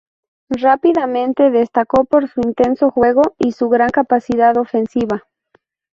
Rápidamente destacó por su intenso juego y su gran capacidad ofensiva.